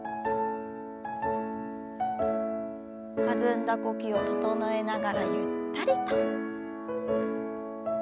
弾んだ呼吸を整えながらゆったりと。